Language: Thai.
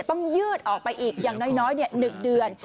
ยืดออกไปอีกอย่างน้อย๑เดือน